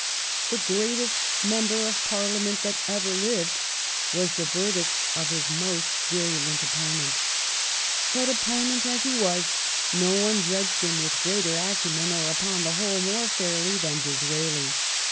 " The greatest member of Parliament that ever lived " was the verdict of his most virulent opponent. But opponent as he was, no one j udged him with greater acumen or upon the whole more fairly than Disraeli.